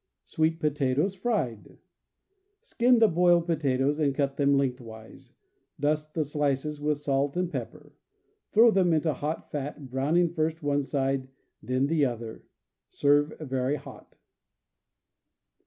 Sweet Potatoes, Fried. — Skin the boiled potatoes and cut them lengthwise. Dust the slices with salt and pepper. Throw them into hot fat, browning first one side, then the other. Serve very hot.